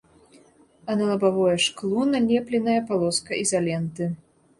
А на лабавое шкло налепленая палоска ізаленты.